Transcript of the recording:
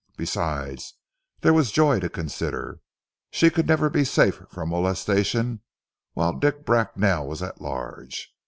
Besides, there was Joy to consider. She could never be safe from molestation whilst Dick Bracknell was at large.